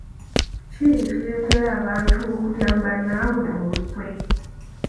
Ki ekireetera abantu okulya mu bannaabwe olukwe?